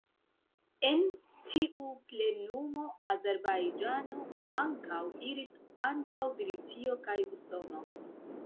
En tiu plenumo, Azerbajĝano ankaŭ iris antaŭ Britio kaj Usono.